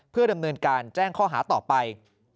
เพื่อดำเนินการแจ้งข้อหาต่อไป